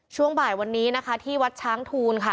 ช่วงบ่ายในวัดช้างทูนนะคะ